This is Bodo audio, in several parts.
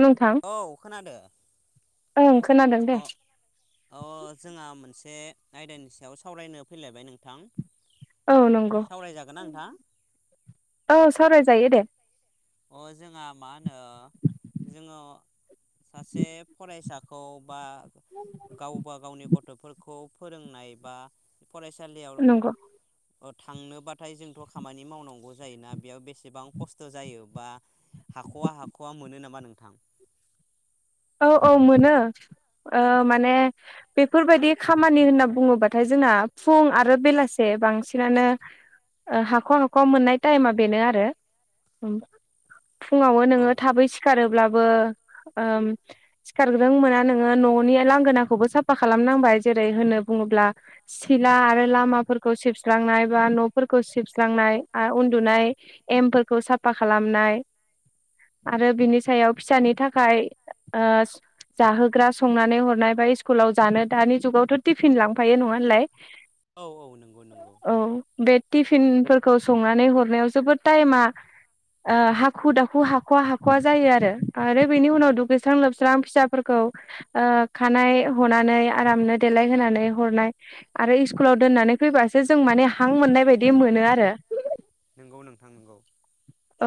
नोंथां औ खोनादो ओं खोनादों दे अ अ जोंहा मोनसे आयदानि सायाव सावरायनो फैलायबाय नोंथां। औ नंगौ सावरायजागोन ना नोंथां औ सावरायजायो दे। अ जोंहा मा होनो जोङो सासे फरायसाखौ बा गावबा गावनि गथ'फोरखौ फोरोंनाय बा फरायसालियाव नंगौ थांनोबाथाय जोंथ' खामानि मावनांगौ जायोना बेयाव बेसेबां खस्थ' जायो। बा हाख'वा हाख'वा मोनो नामा नोंथां? औ औ मोनो माने बेफोरबायदि खामानि होनना बुङोब्लाथाय जोंना फुं आरो बेलासे बांसिनानो हाख'वा हाख'वा मोननाय टाइमा बेनो आरो। फुङावनो औ नोङो थाबै सिखारोब्लाबो। बो ओम सिखारग्रों मोना नोङो न'नि लांगोनाखौबो साफा खालामनांबाय जेरै होननो बुङोब्ला सिला आरो लामाफोरखौ सिबस्रांनाय बा न'फोरखौ सिबस्रांनाय आरो उन्दुनाय एमफोरखौ साफा खालामनाय आरो बिनि सायाव फिसानि थाखाय ओ जाहोग्रा संनानै हरनाय बा स्कुलाव जानो दानि जुगावथ' टिफिन लांफायो नङाहोनलाय औ औ नंगौ नंगौ औ बे टिफिनफोरखौ संनानै हरनायाव जोबोद टाइमा ओ हाखु दाखु हाख'वा हाख'वा जायो आरो आरो बेनि उनाव दु लोस्रां लोबस्रां फिसाफोरखौ खानाय हनानै आरामनो देलाय होनोनानै हरनाय आरो इस्कुलाव दोननानै फैबासो जों माने हां मोननाय बायदि मोनो आरो। नंगौ नोंथां नंगौ। औ।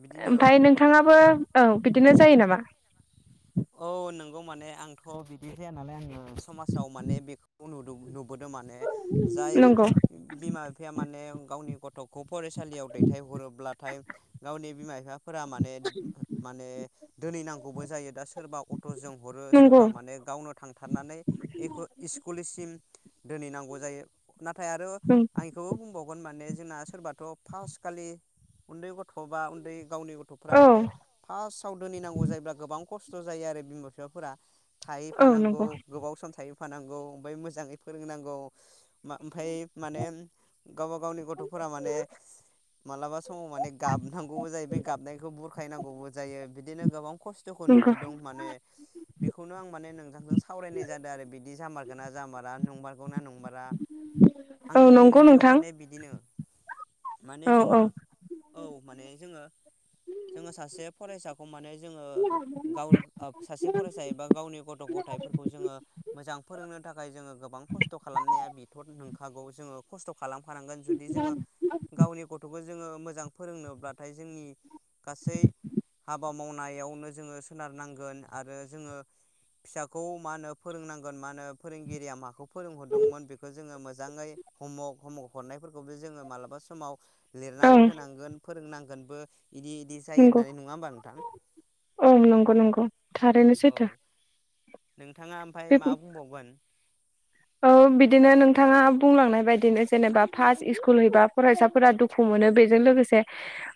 बिदिनो नोंथाङाबो औ बिदिनो जायो नामा? बेखौ माने आंथ' बिदि जाया नालाय आङो। समाजाव माने बेखौ नुदों। [unintelligible] हुदा माने जाय नंगौ बिमा बिफाया माने गावनि गथ गथ'खौ फरायसालियाव दैथायहरोब्लाथाय गावनि बिमा बिफाफोरा माने माने दोनैनांगौबो जायो दा सोरबा अट'जों हरो नंगौ सोरबा माने गावनो थांथारनानै ओखौ इस्कुलसिम दोनहैनांगौ जायो नाथाय आरो आं इखौबो बुंबावगोन माने जोंना सोरबाथ' फासखालि उन्दै गथ' खोबा उन्दै गावनि गथ'फ्रा औ माने फार्स्टआव दोनहैनांगौ जायोब्ला गोबां खस्थ' जायो आरो बिमा बिफाफोरा औ थायैफानांगौ नंगौ गोबाव सम थायो थफानांगौ ओमफ्राय मोजाङै फोरोंनांगौ ओमफ्राय माने गावबा गावनि गथ'फोरा माने मालाबा समाव माने गाबनांगौबो जायो बे गाबनायखौ बुरखायनांगौबो जायो बिदिनो गोबां खस्थ'खौ नंगौ नुबोदों माने बेखौनो आं माने नोंथांजों सावरायनाय जादों आरो बिदि जामारगोना जामारा नंमारगौ ना नंमारा औ आंनि नंगौ नुनायाव नोंथां माने बिदिनो माने औ औ जोङो औ माने जोङो जोङो सासे फरायसाखौ माने जोङो गाव आप सासे फरायसा एबा गावनि गथ' गथाइफोरखौ जोङो मोजां फोरोंनो थाखाय जोङो गोबां खस्थ' खालामनाया बिथर नंखागौ जोङो खस्थ' खालामफानांगोन जुदि जोङो गावनि गथ'खौ जोङो मोजां फोरोंनोब्लाथाय जोंनि गासै हाबा मावनायावनो जोङो सोनारनांगोन आरो जोङो फिसाखौ फोरोंनांगोन मा होनो फोरोंगिरिया माखौ फोरोंहरदोंमोन बेखौ जोङो मोजाङै हमवर्क हमवर्क हरनायफोरखौबो जोङो मालाबा समाव लिरनाबो ओं होनां फोरोंनांगोनबो इदि इदि जायो नंगौ होननानै नङा होमबा नोंथां बेनो सैथो नों नोंथाङा ओमफ्राय बे माबा बुंबावगोन औ बिदिनो नोंथाङा बुंलांनाय बायदिनो जेनेबा फार्स्ट स्कुल हैबा फरायसाफोरा दुखु मोनो बेजों लोगोसे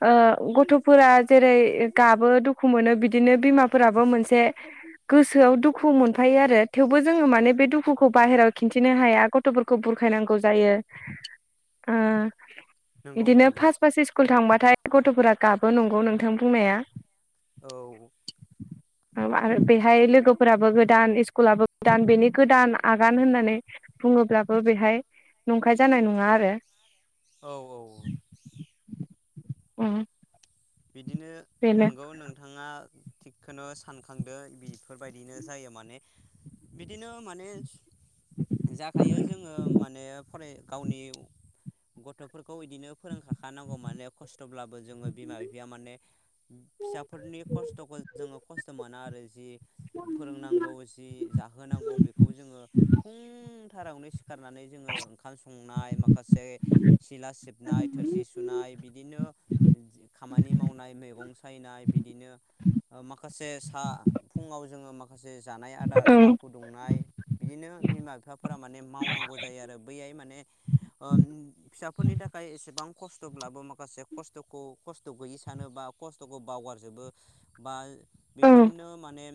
ओ गथ'फोरा जेरै गाबो दुखु मोनो बिदिनो बिमाफोराबो मोनसे गोसोआव दुखु मोनफायो आरो थेवबो जोङो माने बे दुखुखौ बाहेरायाव खिन्थिनो हाया गथ'फोरखौ बुरखायनांगौ जायो ओ नंगौ बिदिनो नंगौ फास फास स्कुल थांबाथाय गथ'फोरा गाबो नंगौ नोंथां बुंनाया औ आरो बेहाय लोगोफोराबो गोदान स्कुलाबो गोदान बेनि गोदान आगान होननानै बुङोब्लाबो बेहाय नंखाय जानाय नङा आरो औ औ उम बिदिनो बेनो नोंगौ नोंथाङा थिगखौनो सानखांदो बेफोरबायदिनो जायो माने बिदिनो माने जाखायो जोङो माने फराय गावनि गथ'फोरखौ बिदिनो फोरोंखाखानांगौ माने खस थेवब्लाबो जोङो बिमा बिफ माने फिसाफोरनि खस्थ'खौ जों जोङो खस्थ' मोना आरो जि फोरोंनांगौ जि जाहोनांगौ बेखौ जोङो फुंथारावनो सिखारनानै जोङो ओंखाम संनाय माखासे सिला सिबनाय थोरसि सुनाय बिदिनो खामानि मावनाय मैगं सायनाय बिदिनो माखासे साहा फुङाव जोङो मा माखासे जानाय आदार साहा फुदुंनाय बिदिनो बिमा बिफाफोरा माने मावनांगौ जायो आरो बैहाय माने ओ फिसाफोरनि थाखाय एसेबां खस्थ'ब्लाबो माखासे खस्थ'खौ खस्थ' गैयि सानो बा खस्थ'खौ बावगारजोबो बा औ बेफोरनो माने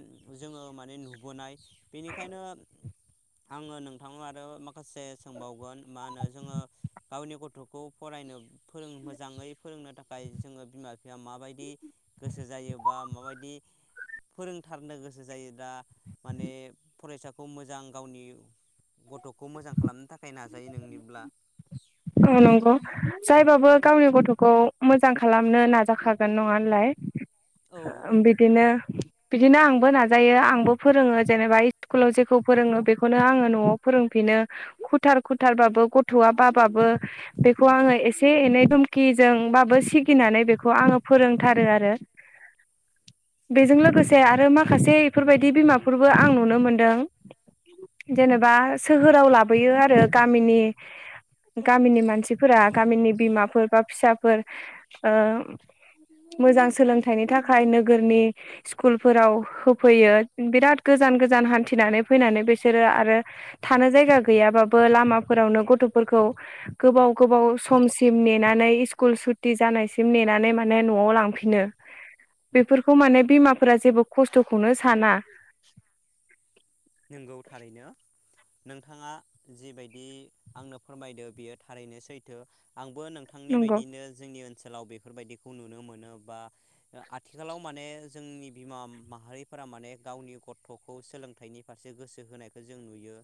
जोङो माने नुबोनाय बेनिखायनो आङो नोंथां आरो माखासे सोंबावगोन मा होनो जोङो गावनि गथ'खौ फरायनो फोरों मोजाङै फोरोंनो था थाखाय जोङो बिमा बिफाया माबायदि गोसो जायो बा माबायदि फोरोंथारनो गोसो जायो दा माने फरायसाखौ मोजां गावनि गथ'खौ मोजां खालामनो थाखाय नाजायो नोंनिब्ला औ नंगौ जायबाबो गावनि गथ'खौ मोजां खालामनो नाजाखागोन नङा होनलाय। औ औ बिदिनो बिदिनो आंबो नाजायो आंबो फोरोङो जेनेबा स्कुलाव जेखौ फोरोङो बेखौनो आङो न'आव फोरोंफिनो खुथार खुथारबाबो गथ'आ बाब बाबो बे आङो एसे एनै धुमखिजोंबाबो सिगिनानै बेखौ आङो फोरोंथारो आरो बेजों लोगोसे आरो माखासे बेफोरबायदि बिमाफोरबो आं नुनो मोनदों जेनेबा सोहोराव लाबोयो आरो गामिनि गामिनि मानसिफोरा गामिनि बिमाफोर बा फिसाफोर ओ मोजां सोलोंथाइनि थाखाय नोगोरनि स्कुलफोराव होफैयो बिराद गोजान गोजान हान्थिनानै फैनानै बिसोरो आरो थानो जायगा गैयाबाबो लामाफोरावनो गथ' फोरखौ गोबाव गोबाव समसिम नेनानै स्कुल सुटि जानायसिम नेनानै माने न'आव लांफिनो बेफोरखौ माने बिमाफोरा जेबो खस्थ'खौनो साना। नंगौ थारैनो नोंथाङा जिबायदि आंनो फोरमायदो बियो थारैनो सैथो। आंबो नोंथांनि नंगौ बायदिनो जोंनि ओनोस ओनसोलाव बेफोरबायदिखौ नुनो मोनो बा आथिखालाव माने जोंनि बिमा माहारिफोरा माने गावनि गथ'खौ सोलोंथाइनि फारसे गोसो होनायखौ जों नुयो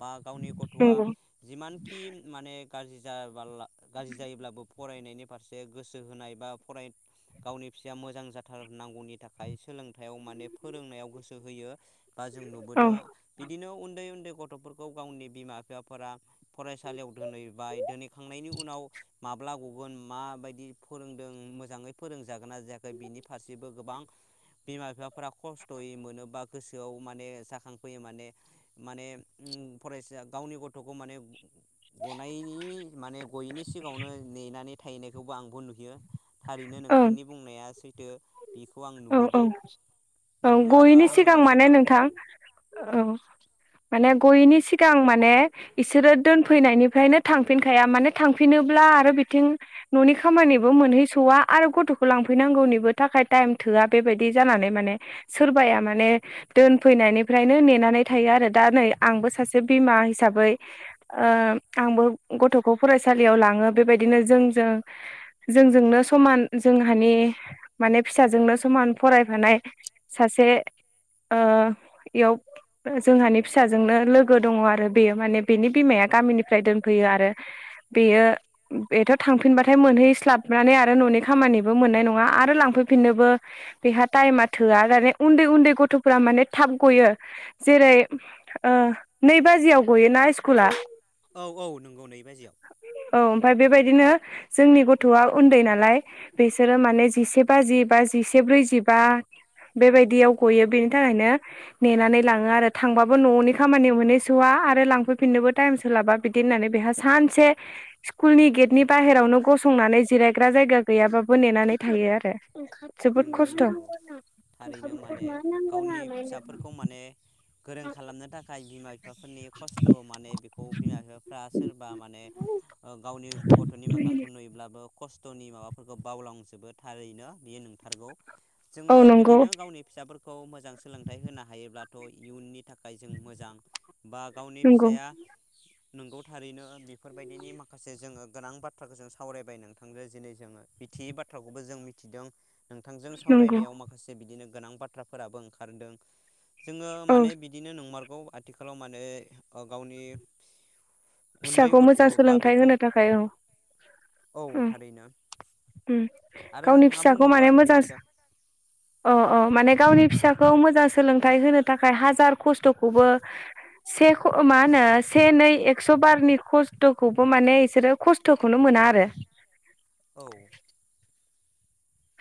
बा गावनि गथ'आ नंगौ जिमानखि माने गाज्रि जाया बाला गाज्रि जायोब्लाबो फरायनायनि फारसे गोसो होनाय बा फराय गावनि फिसाया मोजां जाथारनांगौनि थाखाय सोलोंथायाव माने फोरोंनायाव गोसो होयो। बा जों नुबोद औ बिदिनो उन्दै उन्दै गथ'फोरखौ गावनि बिमा बिफाफोरा फरायसालियाव दोनहैबाय दोनहैखांनायनि उनाव माब्ला गगोन माबायदि फोरोंदों मोजाङै फोरों जागोना जायाखै बिनि फारसेबो गोबां बिमा बिफाफोरा खस्थ'यै मोनोबा गोसोआव माने जाखां फैयो माने माने उम फरायसा गावनि गथ'खौ माने गनाय माने गयैनि सिगाङावनो नेनानै थाहैनायखौबो आंबो नुहयो थारैनो नोंथांनि बुंनाया सैथ दो औ-औ-औ नोंथाङा आरो गयैनि आंनो सिगां एसे माने फोर नोंथां औ माने गयैनि सिगां माने इसोरो दोनफैनायनिफ्रायनो थांफिनखाया माने थांफिनोब्ला आरो बिथिं ननि खामानिबो मोनहैसवा आरो गथखौ लांफैनांगौनिबो थाखाय टाइम थोआ बेबायदि जानानै माने सोरबाया माने दोनफैनायनिफ्रायनो नेनानै थायो आरो दा नै आंबो सासे बिमा हिसाबै ओ आंबो गथखौ फरायसालियाव लाङो बेबायदिनो जोंजों जोंजोंनो समान जोंहानि माने फिस साजोंनो समान फरायफानाय सासे ओ इयाव जोंहानि फिसाजोंनो लोगो दङ आरो बेयो माने बेनि बिमाया गामिनिफ्राय दोनफैयो आरो बेयो बेथ थांफिनबाथाय मोनहैस्लाबनानै आरो ननि खामानिबो मोननाय नङा आरो लांफै फिननोबो बेहा टाइमा थोआ दाने उन्दै उन्दै गथफोरा माने थाब गयो जेरै नै बाजियाव गयोना स्कुला औ-औ नंगौ नै बाजियाव औ ओमफ्राय बेबायदिनो जोंनि गथआ उन्दै नालाय बिसोरो माने जिसे बाजि बाजिसे ब्रैजिबा बेबायदियाव गयो बेनि थाखायनो नेनानै लाङो आरो थांबाबो ननि खामानि मोनहैसआ आरो लांफैफिननोबो टाइम सोलाबा बिदि होननानै बेहा सानसे स्कुलनि गेटनि बाहेरावनो गसंनानै जिरायग्रा जायगा गैयाबाबो नेनानै थायो आरो जोबोद नंगौ खस्थ' नंगौ थारैनो माने गावनि फिसाफोरखौ माने गोरों खालामनो थाखाय [unintelligible] बिफाफोरनि खस्थ माने बेखौ बिमा बिफाफ्रा सोरबा माने गावनि गथनि मोखांखौ नुयोब्लाबो खस्थनि माबाफोरखौ बावलांजोबो थारैनो बेयो नों नोंथारगौ जोङो औ नंगौ बिदिनो गावनि फिसाफोरखौ मोजां सोलोंथाइ होनो हायोब्ला थ इयुननि थाख खाय जों मोजां बा गावनि नंगौ फिसाया नंगौ थारैनो बेफोरबायदिनि माखासे जोङो गोनां बाथ्राखौ जों सावरायबाय नोंथांजो दिनै जोङो बिथियै बाथ्राखौबो जों मिथिदों नोंथांजों नंगौ सावरायनायाव माखासे बिदिनो गोनां बाथ्राफोराबो ओंखारदों जोङो औ माने बिदिनो नंमारग औ आथिखालाव माने गावनि उन्दै फिसाखौ गथ' मोजां बा सोलोंथाइ बेखौ होनो थाखाय औ औ थारैनो उम-उम आरो गावनि नोंथाङा फिसाखौ माने बुंबावगोन मो बेनि सायाव अह-अह माने गावनि फिसाखौ मोजां सोलोंथाइ होनो थाखाय हाजार खस्थखौबो से ख मा होनो से नै एक्स बारनि खस्थखौबो माने बिसोरो खस्थखौनो मोना आरो औ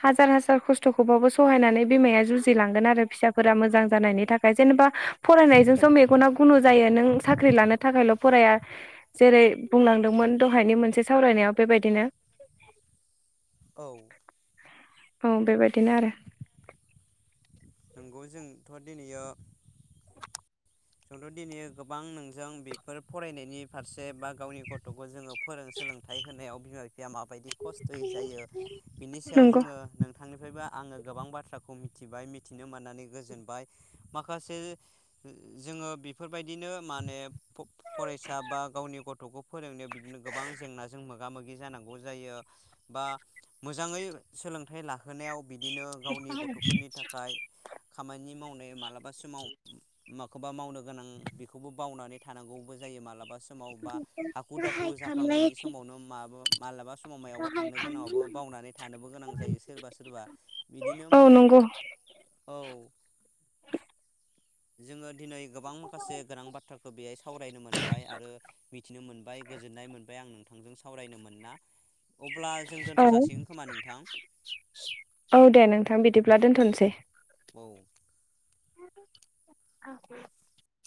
हाजार हाजार खस्थखौबाबो सहायनानै बिमाया जुजिलांगोन आरो फिसाफोरा मोजां जानायनि थाखाय जेनेबा फरायनायजोंस मेगना गुनु जायो नों साख्रि लानो थाखायल फराया जेरै बुंलांदोंमोन दहायनि मोनसे सावरायनायाव बेबायदिनो औ औ बेबायदिनो आरो नंगौ जोंथ दिनैयो जोंथ दिनै गोबां नोंजों बेफोर फरायनायनि फारसे बा गावनि गथ'खौ जोंङो फोरों सोलोंथाइ होनायाव बिमा बिफा [unintelligible] बायदि खस्थ'यै जायो बिनि सायाव नंगौ जोंङो नोंथांनिफ्रायबो आंङो गोबां बाथ्राखौ मिथिबाय मिथिनो मोननानै गोजोनबाय माखासे जोंङो बेफोरबायदिनो माने फ फरायसा बा गावनि गथ'खौ फोरोंनायाव बिदिनो गोबां जेंनाजों मोगा मोगि जानांगौ जायो बा मोजाङै सोलोंथाइ लाहोनायाव बिदिनो गावनि गथ'फोरनि थाखाय खामानि मावनाय मालाबा सोमाव माखौबा मावनो गोनां बेखौबो बावनानै थानांगौबो जायो मालाबा समाव बा हाखु दाखु जाफ्लांनायनि समावनो माबा मालाबा समाव मायावबा थांनो गोनाङावबो बावनानै थानोबो गोनां जायो सोरबा सोरबा बिदिनो औ माने नंगौ औ जोंङो दिनै गोबां माखासे गोनां बाथ्राखौ बेहाय सावरायनो मोनबाय आरो मिथिनो मोनबाय गोजोननाय मोनबाय आं नों थांजों सावरायनो मोनना औ औ दे नोंथां बिदिब्ला दोनथ'सै। औ। [unintelligible]